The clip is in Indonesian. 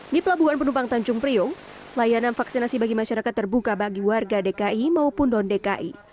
di pelabuhan penumpang tanjung priok layanan vaksinasi bagi masyarakat terbuka bagi warga dki maupun non dki